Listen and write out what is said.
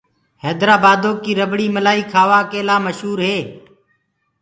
هيدرآبآدو ڪي رڀڙ ملآئي کآوآ ڪي لآ مشور هي۔